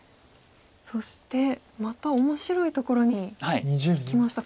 そしてまた面白いところにいきました。